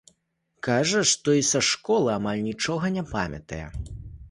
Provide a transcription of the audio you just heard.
Кажа, што і са школы амаль нічога не памятае.